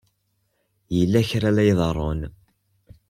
Yella kra ay la iḍerrun.